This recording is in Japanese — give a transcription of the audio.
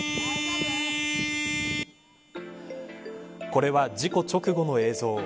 これは事故直後の映像。